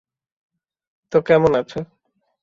তো কেমন আছো?